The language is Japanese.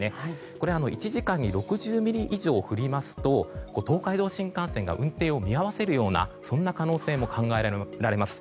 これは１時間に６０ミリ以上降りますと東海道新幹線が運転を見合わせるようなそんな可能性も考えられます。